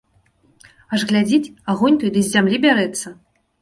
Аж глядзіць, агонь той ды з зямлі бярэцца.